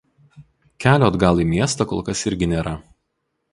Kelio atgal į miestą kol kas irgi nėra.